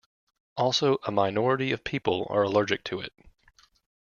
Also, a minority of people are allergic to it.